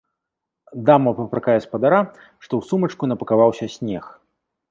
Дама папракае спадара, што ў сумачку напакаваўся снег.